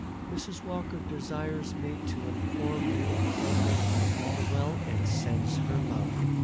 Mrs. Walker desires me to inform you the family are all well and sends her love.